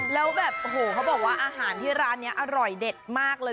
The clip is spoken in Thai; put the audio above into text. แล้วแบบโอ้โหเขาบอกว่าอาหารที่ร้านนี้อร่อยเด็ดมากเลย